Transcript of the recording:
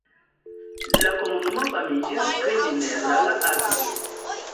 La komunumo famiĝis pri minerala akvo.